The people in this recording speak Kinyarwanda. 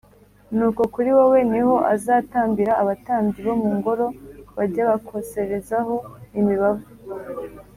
nuko kuri wowe ni ho azatambira abatambyi bo mu ngoro bajya bakoserezaho imibavu